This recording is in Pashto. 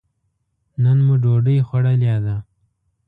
نن مو ډوډۍ خوړلې ده.